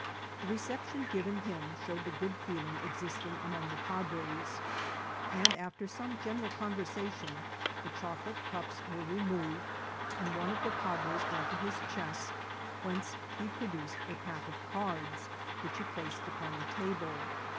The reception given him showed the good feeling existing among the padres ; and after some general conversa tion, the chocolate cups were removed, and one of the padres went to his chest, whence he produced a pack of cards, which he placed upon the table.